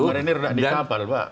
marinir nggak di kapal pak